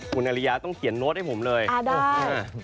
คุณอริยาต้องเขียนโน้ตให้ผมเลย